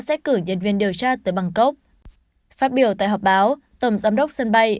sẽ cử nhân viên điều tra tới bangkok phát biểu tại họp báo tổng giám đốc sân bay